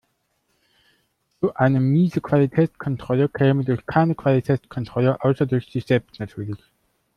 So eine miese Qualitätskontrolle käme durch keine Qualitätskontrolle, außer durch sich selbst natürlich.